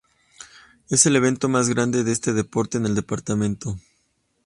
Es el evento más grande de este deporte en el Departamento.